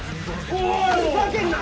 おいふざけんな！